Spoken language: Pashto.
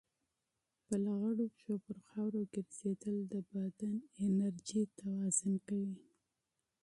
د پښو په لغړو په خاورو ګرځېدل د بدن انرژي توازن کوي.